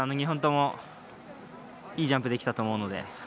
２本ともいいジャンプできたと思うので。